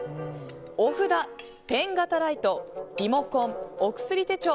お札、ペン型ライトリモコン、お薬手帳。